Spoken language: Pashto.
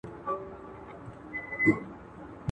اباسین څپې څپې سو بیا به څه نکلونه راوړي.